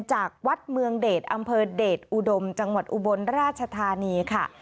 จากวัดเมืองเดชอำเภอเดชอุดมจังหวัดอุบลราชธานีค่ะ